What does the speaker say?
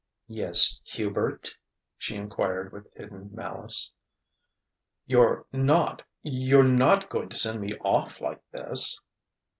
"Yes, Hubert?" she enquired with hidden malice. "You're not you're not going to send me off like this?"